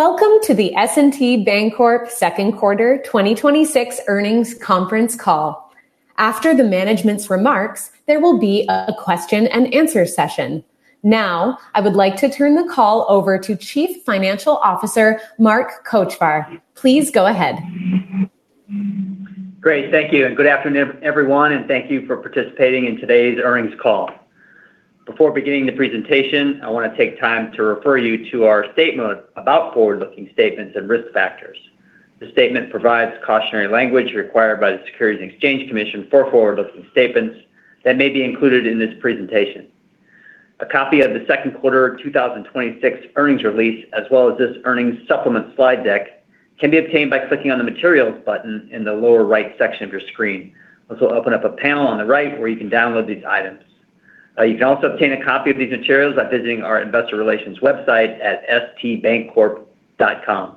Welcome to the S&T Bancorp second quarter 2026 earnings conference call. After the management's remarks, there will be a question and answer session. Now, I would like to turn the call over to Chief Financial Officer, Mark Kochvar. Please go ahead. Great. Thank you, and good afternoon, everyone, and thank you for participating in today's earnings call. Before beginning the presentation, I want to take time to refer you to our statement about forward-looking statements and risk factors. The statement provides cautionary language required by the Securities and Exchange Commission for forward-looking statements that may be included in this presentation. A copy of the second quarter 2026 earnings release, as well as this earnings supplement slide deck, can be obtained by clicking on the Materials button in the lower right section of your screen. This will open up a panel on the right where you can download these items. You can also obtain a copy of these materials by visiting our investor relations website at stbancorp.com.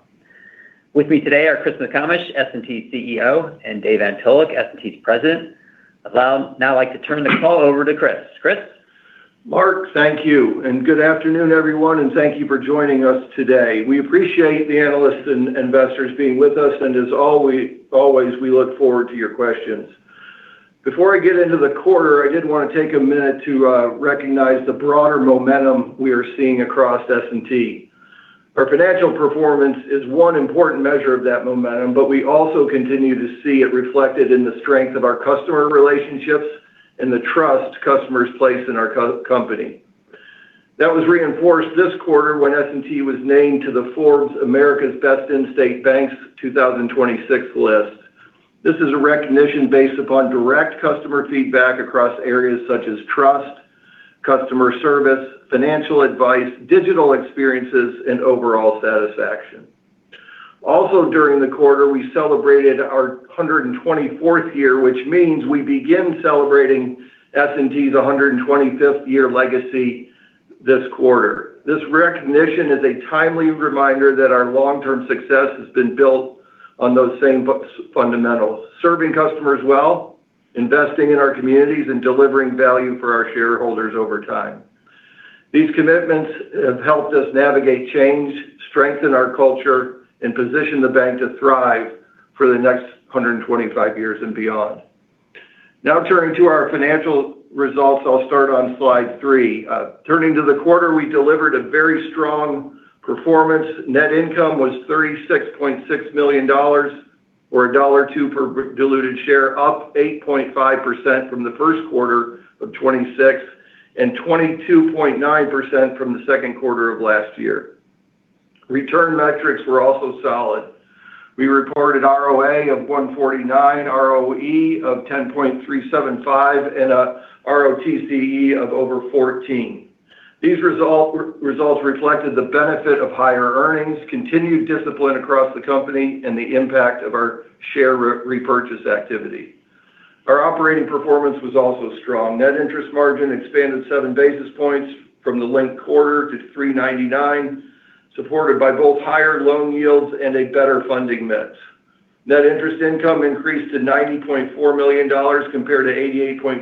With me today are Chris McComish, S&T's CEO, and Dave Antolik, S&T's President. I'd now like to turn the call over to Chris. Chris? Mark, thank you, and good afternoon, everyone, and thank you for joining us today. We appreciate the analysts and investors being with us and as always, we look forward to your questions. Before I get into the quarter, I did want to take a minute to recognize the broader momentum we are seeing across S&T. Our financial performance is one important measure of that momentum, but we also continue to see it reflected in the strength of our customer relationships and the trust customers place in our company. That was reinforced this quarter when S&T was named to the Forbes America's Best in State Banks 2026 list. This is a recognition based upon direct customer feedback across areas such as trust, customer service, financial advice, digital experiences, and overall satisfaction. Also during the quarter, we celebrated our 124th year, which means we begin celebrating S&T's 125th year legacy this quarter. This recognition is a timely reminder that our long-term success has been built on those same fundamentals, serving customers well, investing in our communities, and delivering value for our shareholders over time. These commitments have helped us navigate change, strengthen our culture, and position the bank to thrive for the next 125 years and beyond. Now turning to our financial results. I'll start on slide three. Turning to the quarter, we delivered a very strong performance. Net income was $36.6 million, or $1.02 per diluted share, up 8.5% from the first quarter of 2026, and 22.9% from the second quarter of last year. Return metrics were also solid. We reported ROA of 149, ROE of 10.375%, and a ROTCE of over 14%. These results reflected the benefit of higher earnings, continued discipline across the company, and the impact of our share repurchase activity. Our operating performance was also strong. Net interest margin expanded seven basis points from the linked quarter to 399, supported by both higher loan yields and a better funding mix. Net interest income increased to $90.4 million compared to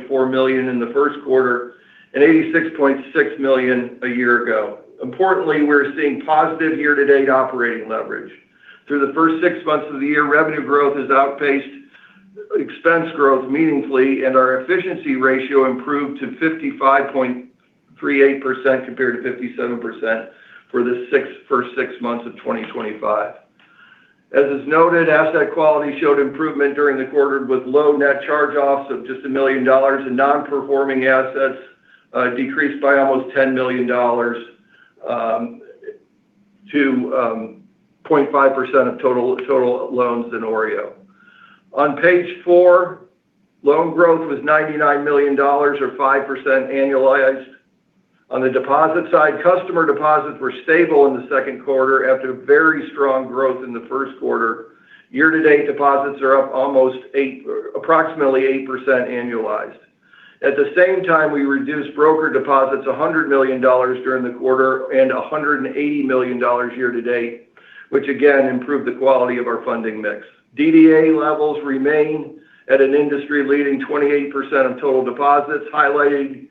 $88.4 million in the first quarter and $86.6 million a year ago. Importantly, we're seeing positive year-to-date operating leverage. Through the first six months of the year, revenue growth has outpaced expense growth meaningfully, and our efficiency ratio improved to 55.38% compared to 57% for the first six months of 2025. As is noted, asset quality showed improvement during the quarter with low net charge-offs of just $1 million and non-performing assets decreased by almost $10 million to 0.5% of total loans in OREO. On page four, loan growth was $99 million, or 5% annualized. On the deposit side, customer deposits were stable in the second quarter after very strong growth in the first quarter. Year-to-date deposits are up approximately 8% annualized. At the same time, we reduced broker deposits $100 million during the quarter and $180 million year-to-date, which again improved the quality of our funding mix. DDA levels remain at an industry-leading 28% of total deposits, highlighting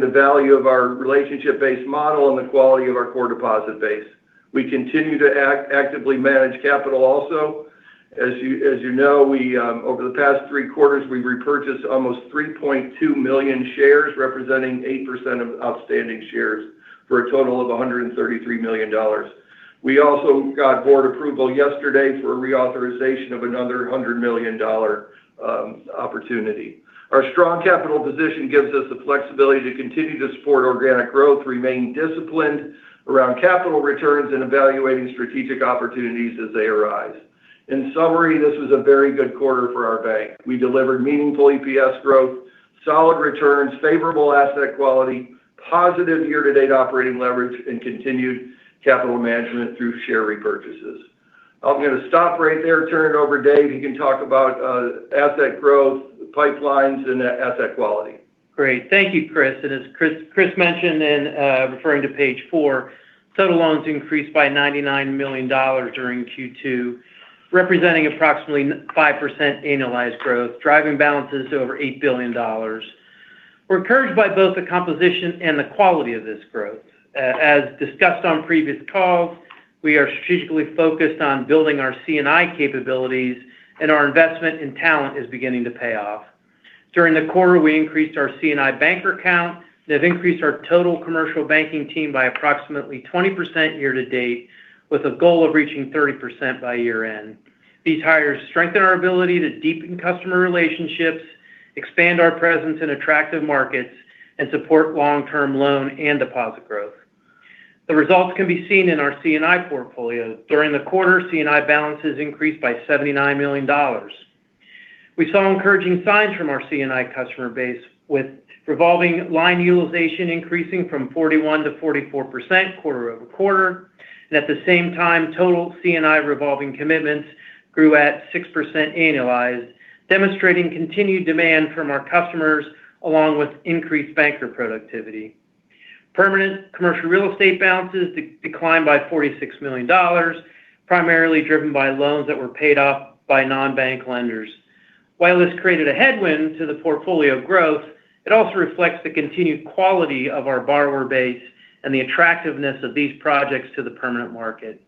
the value of our relationship-based model and the quality of our core deposit base. We continue to actively manage capital also. As you know, over the past three quarters, we've repurchased almost 3.2 million shares, representing 8% of outstanding shares, for a total of $133 million. We also got board approval yesterday for a reauthorization of another $100 million opportunity. Our strong capital position gives us the flexibility to continue to support organic growth, remain disciplined around capital returns, and evaluating strategic opportunities as they arise. In summary, this was a very good quarter for our bank. We delivered meaningful EPS growth, solid returns, favorable asset quality, positive year-to-date operating leverage, and continued capital management through share repurchases. I'm going to stop right there and turn it over to Dave, who can talk about asset growth, pipelines, and asset quality. Great. Thank you, Chris. As Chris mentioned in referring to page four, total loans increased by $99 million during Q2, representing approximately 5% annualized growth, driving balances to over $8 billion. We're encouraged by both the composition and the quality of this growth. As discussed on previous calls, we are strategically focused on building our C&I capabilities, and our investment in talent is beginning to pay off. During the quarter, we increased our C&I banker count and have increased our total commercial banking team by approximately 20% year-to-date, with a goal of reaching 30% by year-end. These hires strengthen our ability to deepen customer relationships, expand our presence in attractive markets, and support long-term loan and deposit growth. The results can be seen in our C&I portfolio. During the quarter, C&I balances increased by $79 million. We saw encouraging signs from our C&I customer base, with revolving line utilization increasing from 41% to 44% quarter-over-quarter. At the same time, total C&I revolving commitments grew at 6% annualized, demonstrating continued demand from our customers along with increased banker productivity. Permanent commercial real estate balances declined by $46 million, primarily driven by loans that were paid off by non-bank lenders. While this created a headwind to the portfolio growth, it also reflects the continued quality of our borrower base and the attractiveness of these projects to the permanent market.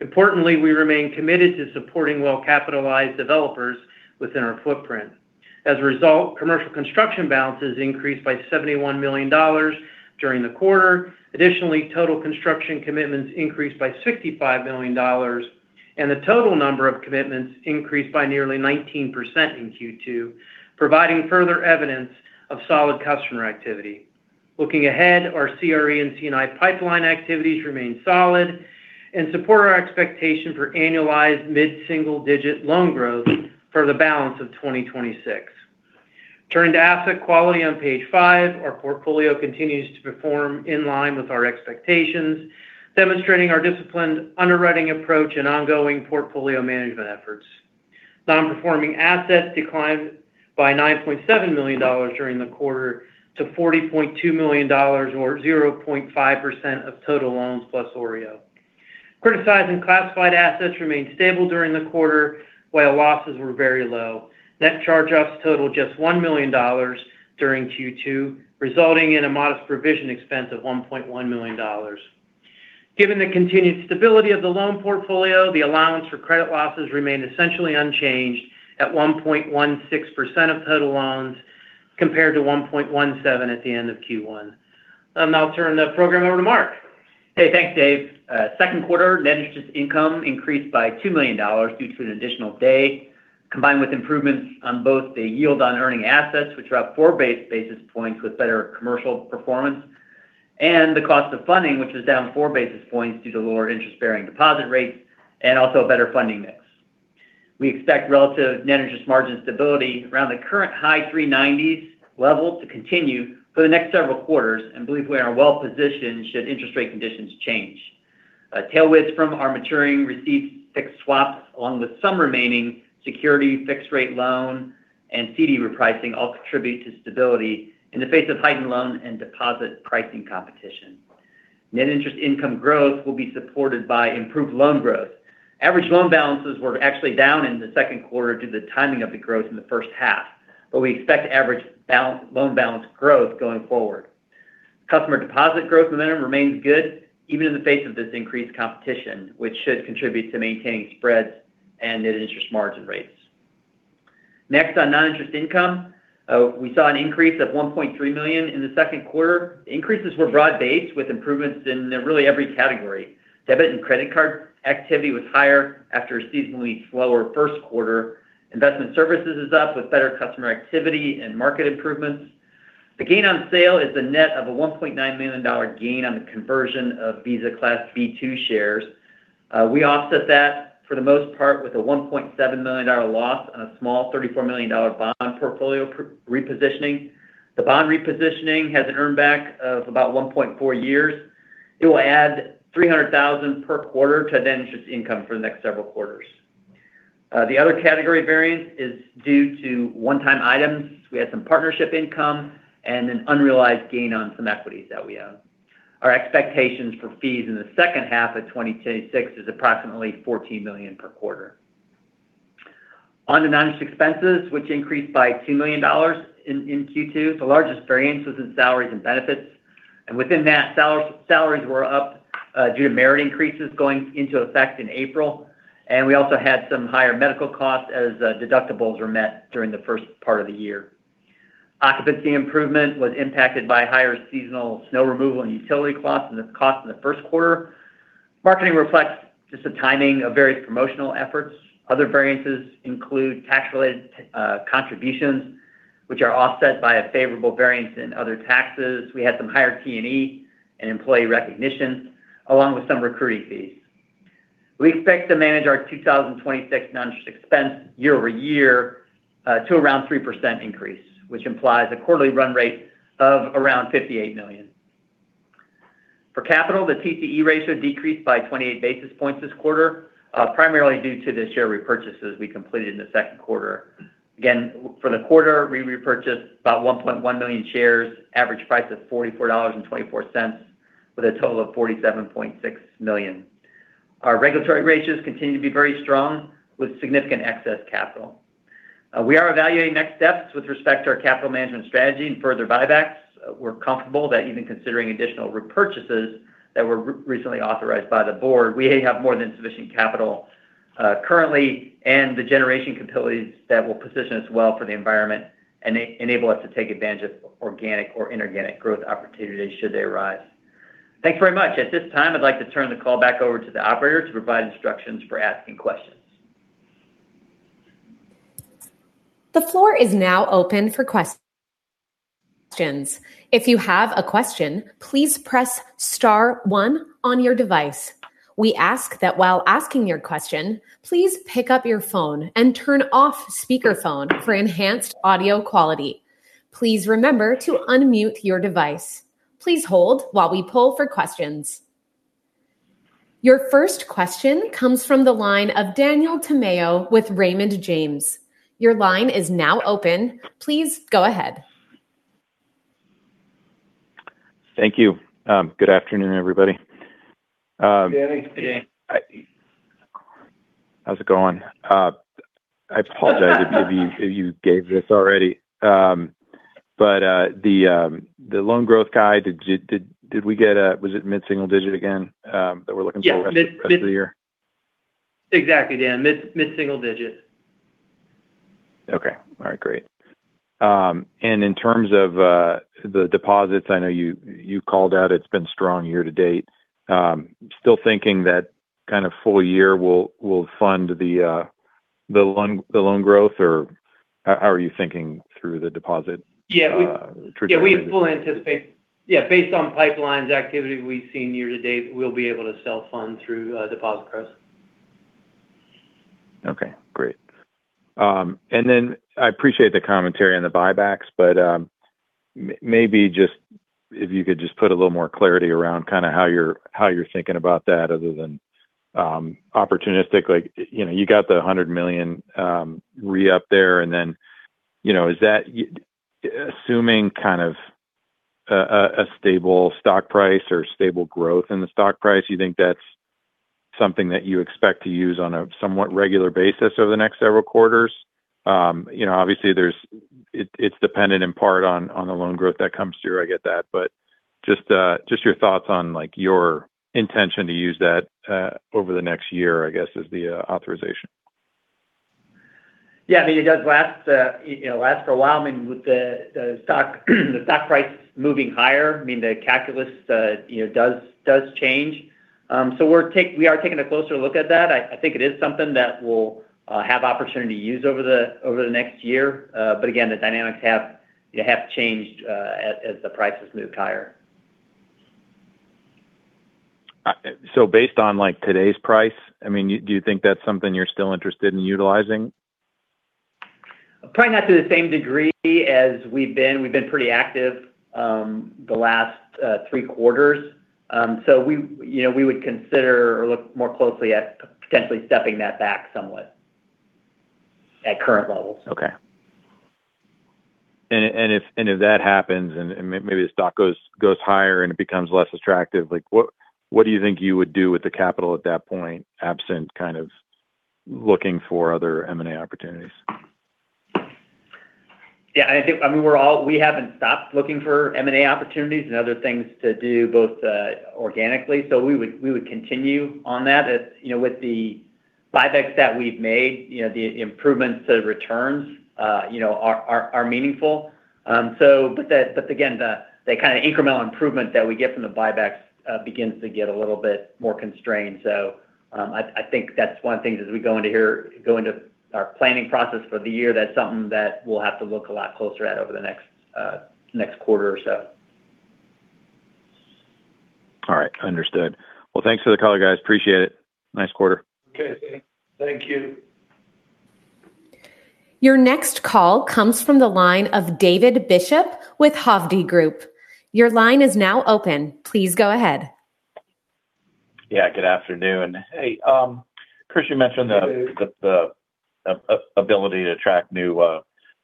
Importantly, we remain committed to supporting well-capitalized developers within our footprint. As a result, commercial construction balances increased by $71 million during the quarter. Additionally, total construction commitments increased by $65 million, and the total number of commitments increased by nearly 19% in Q2, providing further evidence of solid customer activity. Looking ahead, our CRE and C&I pipeline activities remain solid and support our expectation for annualized mid-single-digit loan growth for the balance of 2026. Turning to asset quality on page five, our portfolio continues to perform in line with our expectations, demonstrating our disciplined underwriting approach and ongoing portfolio management efforts. Non-performing assets declined by $9.7 million during the quarter to $40.2 million or 0.5% of total loans plus OREO. Criticized and classified assets remained stable during the quarter, while losses were very low. Net charge-offs totaled just $1 million during Q2, resulting in a modest provision expense of $1.1 million. Given the continued stability of the loan portfolio, the allowance for credit losses remained essentially unchanged at 1.16% of total loans compared to 1.17% at the end of Q1. I'll now turn the program over to Mark. Hey, thanks Dave. Second quarter net interest income increased by $2 million due to an additional day, combined with improvements on both the yield on earning assets, which were up four basis points with better commercial performance, and the cost of funding, which was down four basis points due to lower interest-bearing deposit rates and also a better funding mix. We expect relative net interest margin stability around the current high 390s level to continue for the next several quarters and believe we are well-positioned should interest rate conditions change. Tailwinds from our maturing received fixed swaps, along with some remaining security fixed rate loan and CD repricing all contribute to stability in the face of heightened loan and deposit pricing competition. Net interest income growth will be supported by improved loan growth. Average loan balances were actually down in the second quarter due to the timing of the growth in the first half, but we expect average loan balance growth going forward. Customer deposit growth momentum remains good even in the face of this increased competition, which should contribute to maintaining spreads and net interest margin rates. Next, on non-interest income, we saw an increase of $1.3 million in the second quarter. Increases were broad-based with improvements in really every category. Debit and credit card activity was higher after a seasonally slower first quarter. Investment services is up with better customer activity and market improvements. The gain on sale is a net of a $1.9 million gain on the conversion of Visa Class B-2 shares. We offset that for the most part with a $1.7 million loss on a small $34 million bond portfolio repositioning. The bond repositioning has an earn back of about 1.4 years. It will add $300,000 per quarter to net interest income for the next several quarters. The other category variance is due to one-time items. We had some partnership income and an unrealized gain on some equities that we own. Our expectations for fees in the second half of 2026 is approximately $14 million per quarter. On to non-interest expenses, which increased by $2 million in Q2. The largest variance was in salaries and benefits, and within that, salaries were up due to merit increases going into effect in April. We also had some higher medical costs as deductibles were met during the first part of the year. Occupancy improvement was impacted by higher seasonal snow removal and utility costs in the first quarter. Marketing reflects just the timing of various promotional efforts. Other variances include tax-related contributions, which are offset by a favorable variance in other taxes. We had some higher T&E and employee recognitions, along with some recruiting fees. We expect to manage our 2026 non-interest expense year-over-year to around 3% increase, which implies a quarterly run rate of around $58 million. For capital, the TCE ratio decreased by 28 basis points this quarter, primarily due to the share repurchases we completed in the second quarter. Again, for the quarter, we repurchased about 1.1 million shares, average price of $44.24, with a total of $47.6 million. Our regulatory ratios continue to be very strong with significant excess capital. We are evaluating next steps with respect to our capital management strategy and further buybacks. We're comfortable that even considering additional repurchases that were recently authorized by the board, we have more than sufficient capital currently, and the generation capabilities that will position us well for the environment and enable us to take advantage of organic or inorganic growth opportunities should they arise. Thanks very much. At this time, I'd like to turn the call back over to the operator to provide instructions for asking questions. The floor is now open for questions. If you have a question, please press star one on your device. We ask that while asking your question, please pick up your phone and turn off speakerphone for enhanced audio quality. Please remember to unmute your device. Please hold while we poll for questions. Your first question comes from the line of Daniel Tamayo with Raymond James. Your line is now open. Please go ahead. Thank you. Good afternoon, everybody. Good afternoon. How's it going? I apologize if you gave this already. The loan growth guide, was it mid-single digit again that we're looking for? Yeah rest of the year? Exactly, Dan. Mid-single digit. Okay. All right, great. In terms of the deposits, I know you called out it's been strong year to date. Still thinking that kind of full year will fund the loan growth, or how are you thinking through the deposit trajectory? Yeah, based on pipelines activity we've seen year to date, we'll be able to self-fund through deposit growth. Okay, great. I appreciate the commentary on the buybacks. Maybe if you could just put a little more clarity around how you're thinking about that other than opportunistic. You got the $100 million re-up there. Assuming kind of a stable stock price or stable growth in the stock price, you think that's something that you expect to use on a somewhat regular basis over the next several quarters? Obviously, it's dependent in part on the loan growth that comes through, I get that, just your thoughts on your intention to use that over the next year, I guess, as the authorization. Yeah, it does last for a while. With the stock price moving higher, the calculus does change. We are taking a closer look at that. I think it is something that we'll have opportunity to use over the next year. Again, the dynamics have changed as the prices moved higher. Based on today's price, do you think that's something you're still interested in utilizing? Probably not to the same degree as we've been. We've been pretty active the last three quarters. We would consider or look more closely at potentially stepping that back somewhat at current levels. Okay. If that happens and maybe the stock goes higher and it becomes less attractive, what do you think you would do with the capital at that point, absent kind of looking for other M&A opportunities? Yeah. We haven't stopped looking for M&A opportunities and other things to do, both organically, we would continue on that. With the buybacks that we've made, the improvements to the returns are meaningful. Again, the kind of incremental improvement that we get from the buybacks begins to get a little bit more constrained. I think that's one of the things as we go into our planning process for the year, that's something that we'll have to look a lot closer at over the next quarter or so. All right. Understood. Well, thanks for the call, guys. Appreciate it. Nice quarter. Okay. Thank you. Your next call comes from the line of David Bishop with Hovde Group. Your line is now open. Please go ahead. Yeah, good afternoon. Hey, Chris, you mentioned the ability to attract new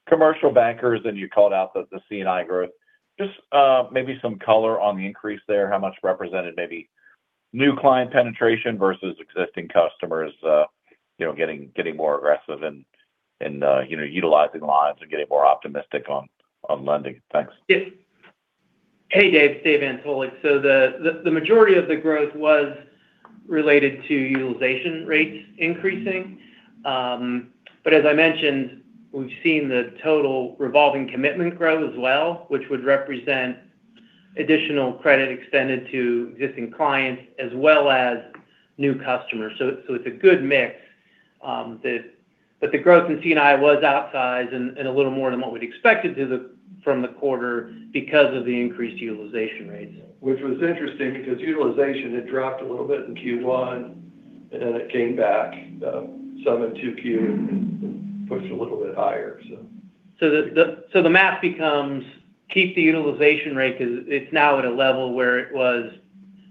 commercial bankers, and you called out the C&I growth. Just maybe some color on the increase there, how much represented maybe new client penetration versus existing customers getting more aggressive and utilizing lines and getting more optimistic on lending. Thanks. Yeah. Hey, Dave. It's Dave Antolik. The majority of the growth was related to utilization rates increasing. As I mentioned, we've seen the total revolving commitment grow as well, which would represent additional credit extended to existing clients as well as new customers. It's a good mix. The growth in C&I was outsized and a little more than what we'd expected from the quarter because of the increased utilization rates. Which was interesting because utilization had dropped a little bit in Q1, and then it came back some in 2Q and pushed a little bit higher. The math becomes keep the utilization rate because it's now at a level where it was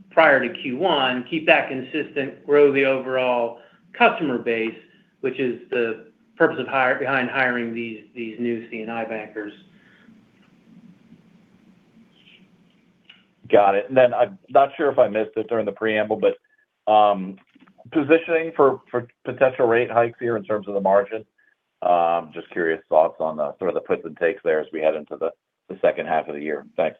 prior to Q1. Keep that consistent, grow the overall customer base, which is the purpose behind hiring these new C&I bankers. Got it. I'm not sure if I missed it during the preamble, positioning for potential rate hikes here in terms of the margin. Just curious thoughts on the sort of the puts and takes there as we head into the second half of the year. Thanks.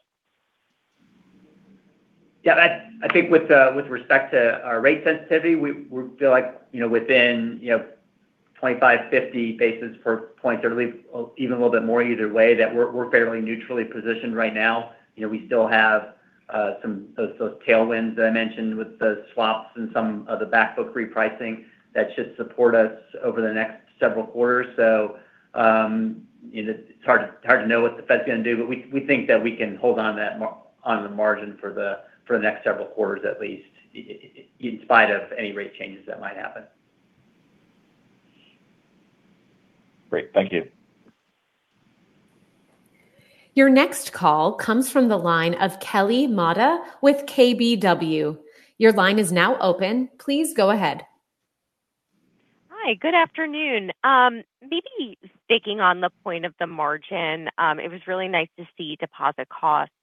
Yeah, I think with respect to our rate sensitivity, we feel like within 25, 50 basis points, or even a little bit more either way, that we're fairly neutrally positioned right now. We still have those tailwinds that I mentioned with the swaps and some of the back book repricing that should support us over the next several quarters. It's hard to know what the Fed's going to do, we think that we can hold on the margin for the next several quarters at least, in spite of any rate changes that might happen. Great. Thank you. Your next call comes from the line of Kelly Motta with KBW. Your line is now open. Please go ahead. Hi, good afternoon. Maybe sticking on the point of the margin. It was really nice to see deposit costs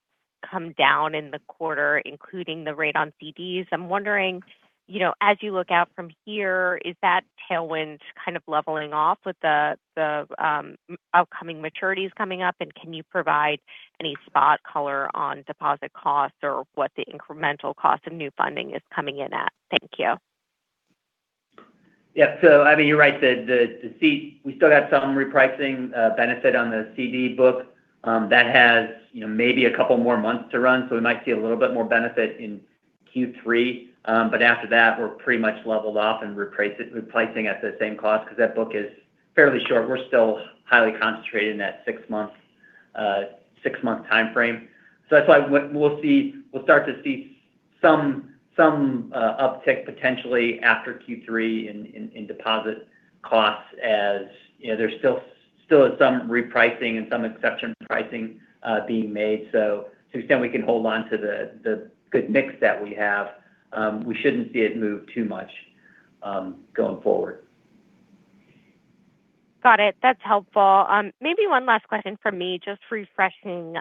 come down in the quarter, including the rate on CDs. I'm wondering, as you look out from here, is that tailwind kind of leveling off with the upcoming maturities coming up? Can you provide any spot color on deposit costs or what the incremental cost of new funding is coming in at? Thank you. Yeah. I mean, you're right. We still got some repricing benefit on the CD book that has maybe a couple more months to run, so we might see a little bit more benefit in Q3. After that, we're pretty much leveled off and repricing at the same cost because that book is fairly short. We're still highly concentrated in that six-month timeframe. That's why we'll start to see some uptick potentially after Q3 in deposit costs. As you know, there's still some repricing and some exception pricing being made. To the extent we can hold onto the good mix that we have, we shouldn't see it move too much going forward. Got it. That's helpful. Maybe one last question from me, just refreshing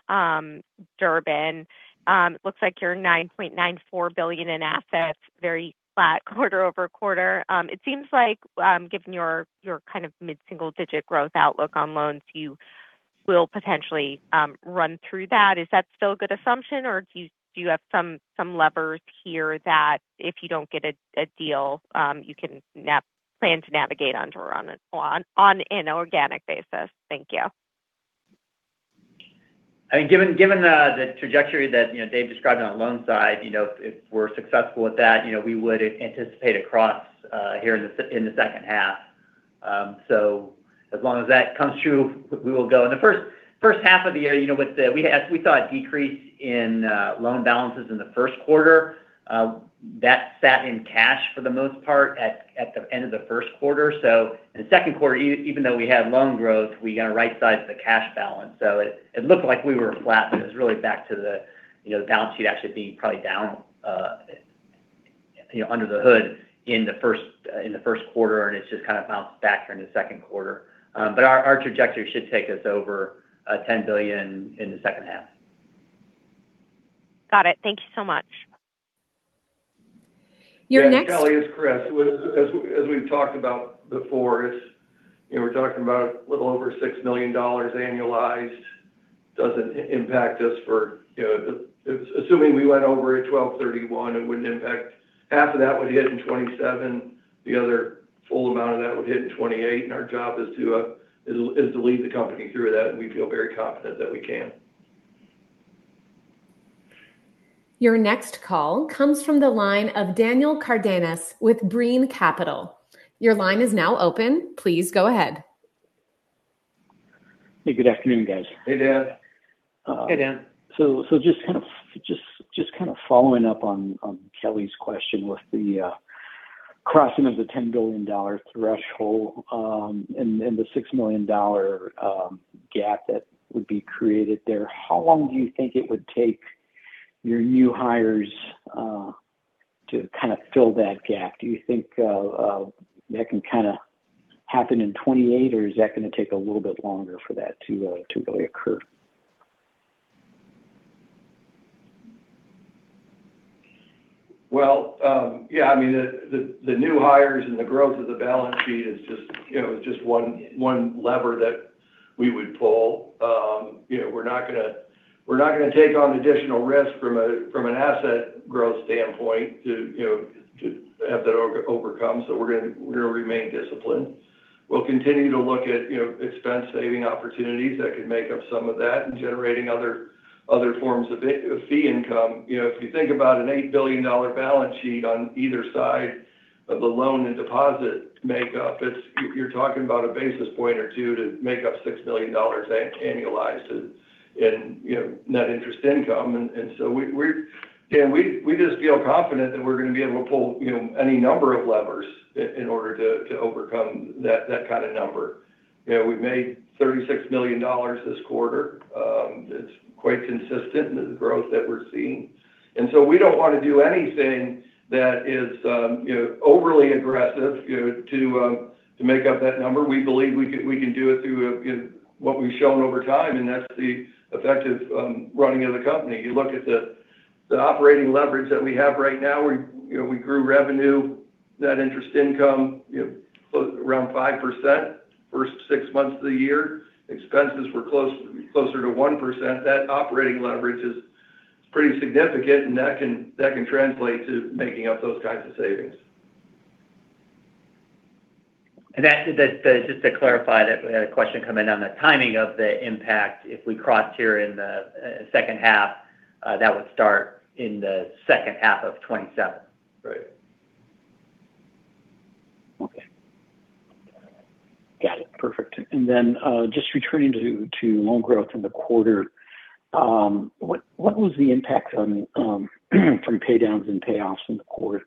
Durbin. It looks like your $9.94 billion in assets, very flat quarter-over-quarter. It seems like given your kind of mid-single digit growth outlook on loans, you will potentially run through that. Is that still a good assumption, or do you have some levers here that if you don't get a deal you can plan to navigate on an organic basis? Thank you. Given the trajectory that Dave described on the loan side, if we're successful with that, we would anticipate a cross here in the second half. As long as that comes true, we will go. In the first half of the year, we saw a decrease in loan balances in the first quarter. That sat in cash for the most part at the end of the first quarter. In the second quarter, even though we had loan growth, we got a right size to the cash balance. It looked like we were flat, but it was really back to the balance sheet actually being probably down under the hood in the first quarter, and it's just kind of bounced back here in the second quarter. Our trajectory should take us over $10 billion in the second half. Got it. Thank you so much. Your next- Yeah. Kelly, it's Chris. As we've talked about before, we're talking about a little over $6 million annualized. Doesn't impact us. Assuming we went over at 1231, it wouldn't impact. Half of that would hit in 2027. The other full amount of that would hit in 2028. Our job is to lead the company through that, and we feel very confident that we can. Your next call comes from the line of Daniel Cardenas with Brean Capital. Your line is now open. Please go ahead. Hey, good afternoon, guys. Hey, Dan. Hey, Dan. Just kind of following up on Kelly's question with the crossing of the $10 billion threshold and the $6 million gap that would be created there? How long do you think it would take your new hires to kind of fill that gap? Do you think that can happen in 2028, or is that going to take a little bit longer for that to really occur? Well, yeah, I mean, the new hires and the growth of the balance sheet is just one lever that we would pull. We're not going to take on additional risk from an asset growth standpoint to have that overcome. We're going to remain disciplined. We'll continue to look at expense-saving opportunities that could make up some of that and generating other forms of fee income. If you think about an $8 billion balance sheet on either side of the loan and deposit makeup, you're talking about a basis point or two to make up $6 million annualized in net interest income. We just feel confident that we're going to be able to pull any number of levers in order to overcome that kind of number. We've made $36 million this quarter. It's quite consistent in the growth that we're seeing. We don't want to do anything that is overly aggressive to make up that number. We believe we can do it through what we've shown over time, and that's the effective running of the company. You look at the operating leverage that we have right now, where we grew revenue, net interest income, close around 5% first six months of the year. Expenses were closer to 1%. That operating leverage is pretty significant, and that can translate to making up those kinds of savings. Just to clarify that, we had a question come in on the timing of the impact. If we crossed here in the second half, that would start in the second half of 2027. Right. Okay. Got it, perfect. Just returning to loan growth in the quarter, what was the impact from paydowns and payoffs in the quarter?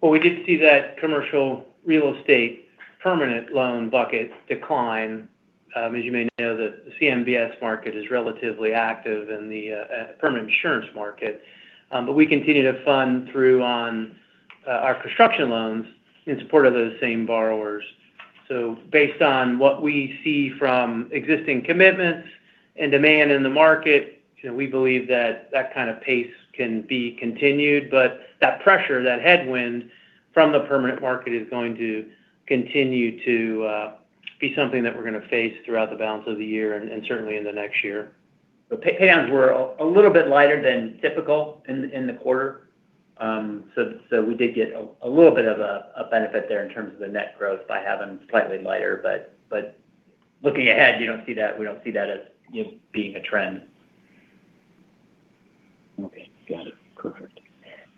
Well, we did see that commercial real estate permanent loan bucket decline. As you may know, the CMBS market is relatively active in the permanent insurance market. We continue to fund through on our construction loans in support of those same borrowers. Based on what we see from existing commitments and demand in the market, we believe that that kind of pace can be continued. That pressure, that headwind from the permanent market is going to continue to be something that we're going to face throughout the balance of the year and certainly in the next year. The paydowns were a little bit lighter than typical in the quarter. We did get a little bit of a benefit there in terms of the net growth by having slightly lighter. Looking ahead, we don't see that as being a trend. Okay. Got it. Perfect.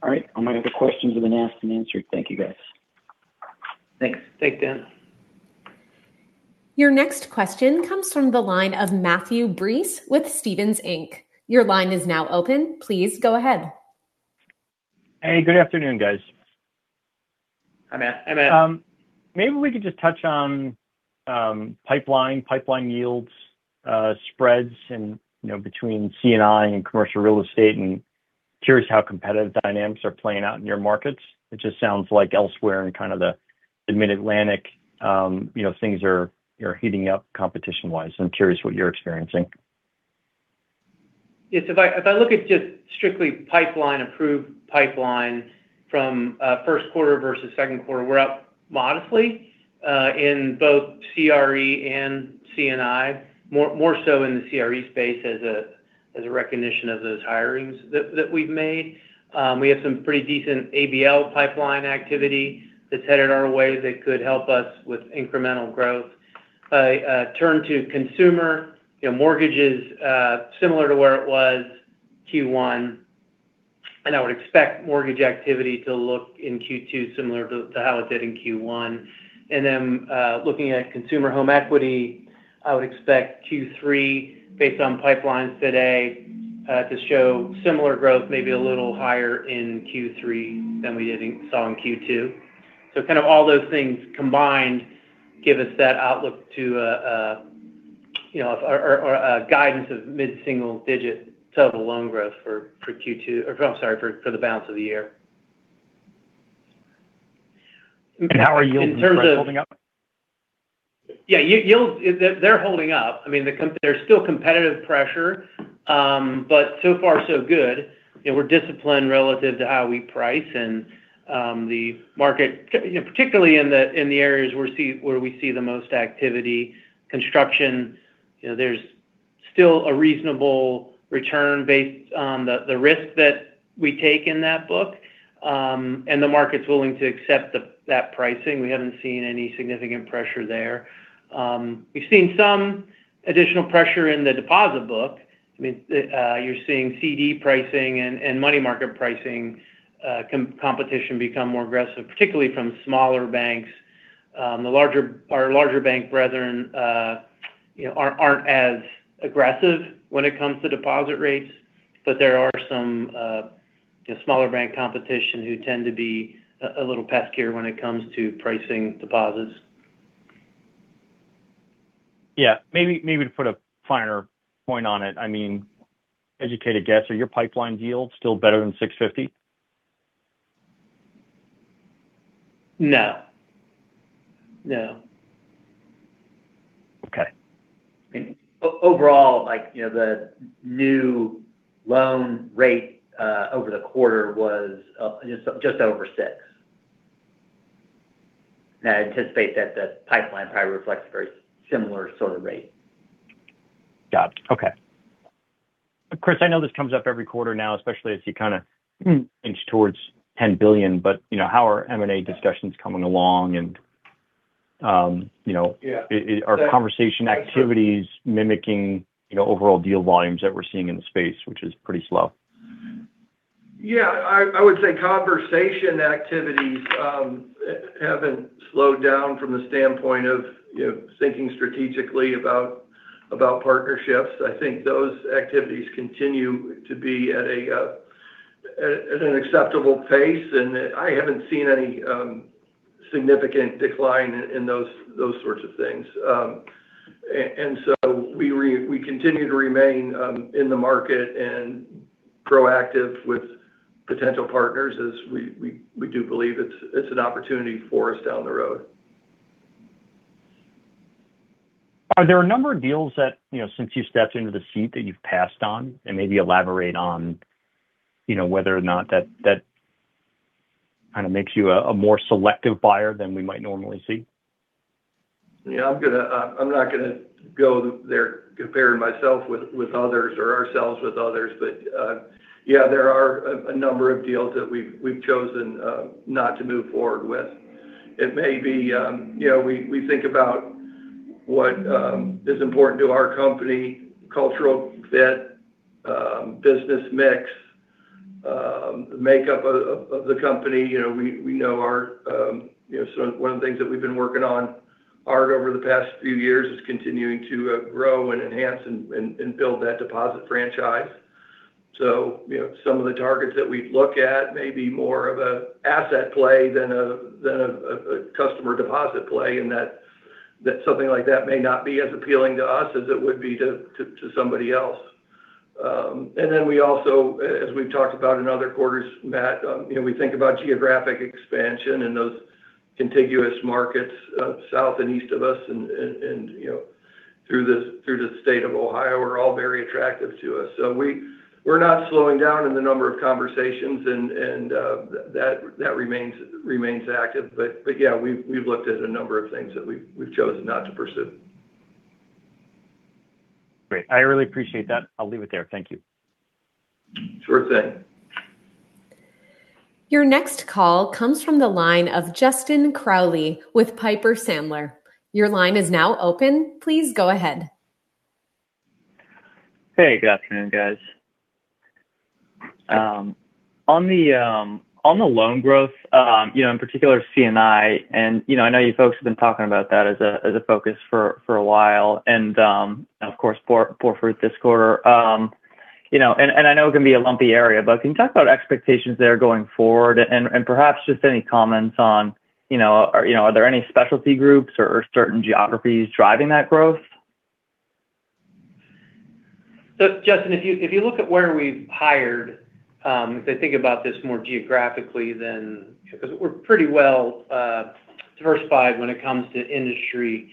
All right. All my other questions have been asked and answered. Thank you, guys. Thanks. Thanks, Dan. Your next question comes from the line of Matthew Breese with Stephens Inc. Your line is now open. Please go ahead. Hey, good afternoon, guys. Hi, Matt. Hi, Matt. Maybe we could just touch on pipeline yields, spreads between C&I and commercial real estate, and curious how competitive dynamics are playing out in your markets. It just sounds like elsewhere in the mid-Atlantic things are heating up competition-wise. I'm curious what you're experiencing. Yes, if I look at just strictly pipeline approved pipeline from first quarter versus second quarter, we're up modestly in both CRE and C&I. More so in the CRE space as a recognition of those hirings that we've made. We have some pretty decent ABL pipeline activity that's headed our way that could help us with incremental growth. Turn to consumer, mortgages similar to where it was Q1, I would expect mortgage activity to look in Q2 similar to how it did in Q1. Looking at consumer home equity, I would expect Q3, based on pipelines today, to show similar growth, maybe a little higher in Q3 than we saw in Q2. All those things combined give us that outlook to our guidance of mid-single digit total loan growth for the balance of the year. How are yields and spreads holding up? Yeah, yields, they're holding up. There's still competitive pressure, but so far so good. We're disciplined relative to how we price and the market, particularly in the areas where we see the most activity, construction, there's still a reasonable return based on the risk that we take in that book. The market's willing to accept that pricing. We haven't seen any significant pressure there. We've seen some additional pressure in the deposit book. You're seeing CD pricing and money market pricing competition become more aggressive, particularly from smaller banks. Our larger bank brethren aren't as aggressive when it comes to deposit rates, but there are some smaller bank competition who tend to be a little peskier when it comes to pricing deposits. Yeah. Maybe to put a finer point on it, educated guess, are your pipeline yields still better than 650? No. Okay. Overall, the new loan rate over the quarter was just over 6%. I anticipate that the pipeline probably reflects a very similar sort of rate. Got it. Okay. Chris, I know this comes up every quarter now, especially as you kind of inch towards $10 billion, how are M&A discussions coming along? Yeah Are conversation activities mimicking overall deal volumes that we're seeing in the space, which is pretty slow? Yeah, I would say conversation activities haven't slowed down from the standpoint of thinking strategically about partnerships. I think those activities continue to be at an acceptable pace, I haven't seen any significant decline in those sorts of things. We continue to remain in the market and proactive with potential partners as we do believe it's an opportunity for us down the road. Are there a number of deals that, since you stepped into the seat, that you've passed on? Maybe elaborate on whether or not that makes you a more selective buyer than we might normally see. Yeah. I'm not going to go there comparing myself with others or ourselves with others. Yeah, there are a number of deals that we've chosen not to move forward with. It may be we think about what is important to our company, cultural fit, business mix, the makeup of the company. One of the things that we've been working on are over the past few years is continuing to grow and enhance and build that deposit franchise. Some of the targets that we'd look at may be more of a asset play than a customer deposit play, and that something like that may not be as appealing to us as it would be to somebody else. We also, as we've talked about in other quarters, Matt, we think about geographic expansion and those contiguous markets south and east of us and through the state of Ohio are all very attractive to us. We're not slowing down in the number of conversations and that remains active. Yeah, we've looked at a number of things that we've chosen not to pursue. Great. I really appreciate that. I'll leave it there. Thank you. Sure thing. Your next call comes from the line of Justin Crowley with Piper Sandler. Your line is now open. Please go ahead. Hey, good afternoon, guys. On the loan growth, in particular C&I know you folks have been talking about that as a focus for a while and, of course, for this quarter. I know it can be a lumpy area, but can you talk about expectations there going forward and perhaps just any comments on are there any specialty groups or certain geographies driving that growth? Justin, if you look at where we've hired, if I think about this more geographically than because we're pretty well diversified when it comes to industry.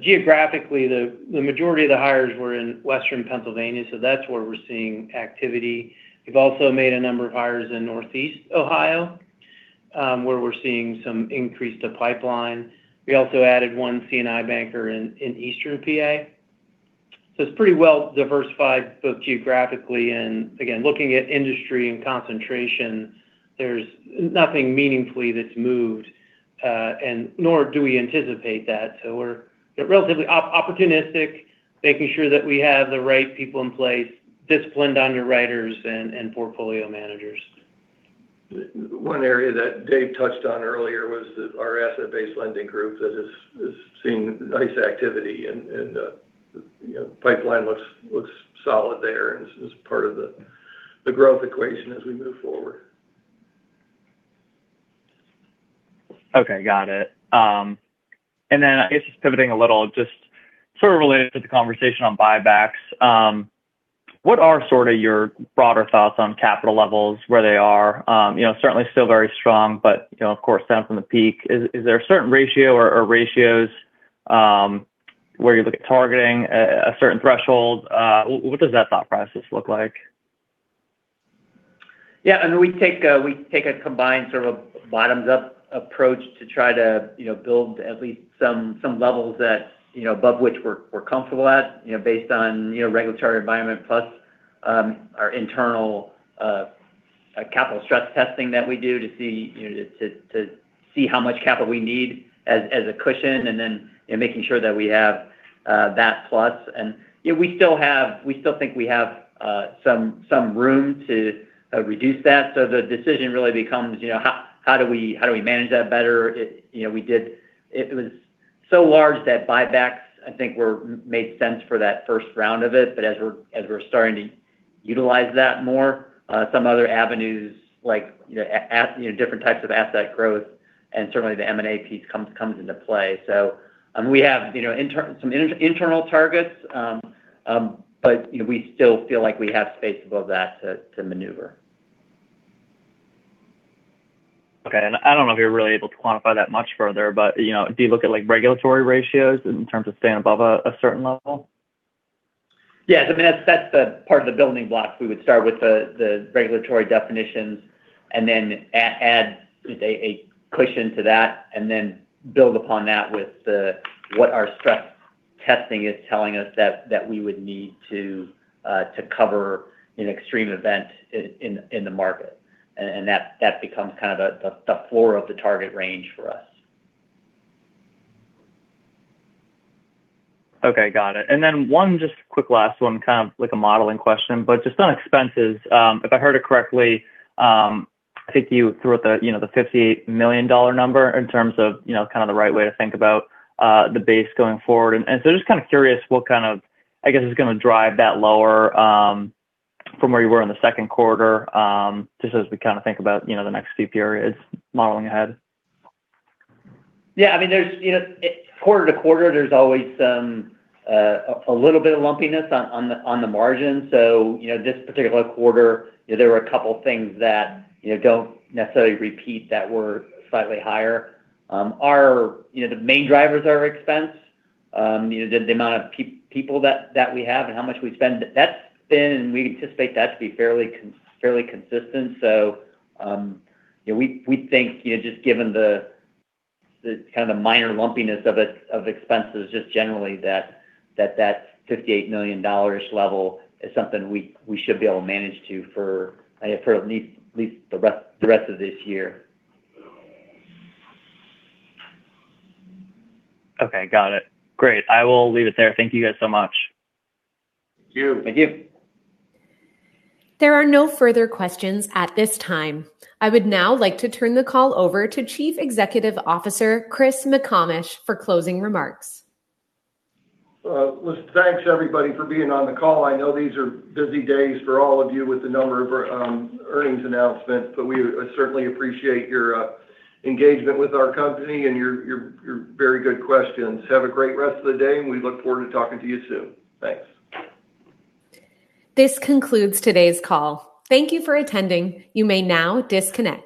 Geographically, the majority of the hires were in Western Pennsylvania, so that's where we're seeing activity. We've also made a number of hires in Northeast Ohio, where we're seeing some increase to pipeline. We also added one C&I banker in Eastern P.A. It's pretty well diversified both geographically and, again, looking at industry and concentration, there's nothing meaningfully that's moved, nor do we anticipate that. We're relatively opportunistic, making sure that we have the right people in place, disciplined on your writers and portfolio managers. One area that Dave touched on earlier was our asset-based lending group that is seeing nice activity and the pipeline looks solid there and is part of the growth equation as we move forward. Okay, got it. I guess just pivoting a little, just sort of related to the conversation on buybacks. What are sort of your broader thoughts on capital levels, where they are? Certainly still very strong, but of course, down from the peak. Is there a certain ratio or ratios where you're look at targeting a certain threshold? What does that thought process look like? Yeah, we take a combined sort of bottoms-up approach to try to build at least some levels above which we're comfortable at based on regulatory environment plus our internal capital stress testing that we do to see how much capital we need as a cushion and then making sure that we have that plus. We still think we have some room to reduce that. The decision really becomes how do we manage that better? It was so large that buybacks, I think made sense for that first round of it. As we're starting to utilize that more, some other avenues like different types of asset growth and certainly the M&A piece comes into play. We have some internal targets, but we still feel like we have space above that to maneuver. Okay. I don't know if you're really able to quantify that much further, but do you look at regulatory ratios in terms of staying above a certain level? Yes. That's the part of the building blocks. We would start with the regulatory definitions and then add a cushion to that, then build upon that with what our stress testing is telling us that we would need to cover an extreme event in the market. That becomes kind of the floor of the target range for us. Okay, got it. Then one just quick last one, kind of like a modeling question. Just on expenses, if I heard it correctly, I think you threw out the $58 million number in terms of kind of the right way to think about the base going forward. Just kind of curious what kind of, I guess, is going to drive that lower from where you were in the second quarter, just as we kind of think about the next few periods modeling ahead. Yeah. Quarter to quarter, there's always a little bit of lumpiness on the margin. This particular quarter, there were a couple things that don't necessarily repeat that were slightly higher. The main drivers are expense, the amount of people that we have and how much we spend. We anticipate that to be fairly consistent. We think just given the kind of the minor lumpiness of expenses just generally that that $58 million level is something we should be able to manage to for at least the rest of this year. Okay, got it. Great. I will leave it there. Thank you guys so much. Thank you. Thank you. There are no further questions at this time. I would now like to turn the call over to Chief Executive Officer, Chris McComish, for closing remarks. Well, listen, thanks everybody for being on the call. I know these are busy days for all of you with the number of earnings announcements, we certainly appreciate your engagement with our company and your very good questions. Have a great rest of the day, and we look forward to talking to you soon. Thanks. This concludes today's call. Thank you for attending. You may now disconnect.